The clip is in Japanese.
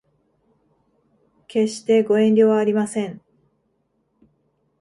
決してご遠慮はありません